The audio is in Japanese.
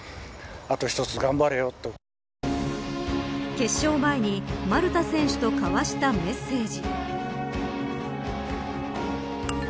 決勝前に丸田選手と交わしたメッセージ。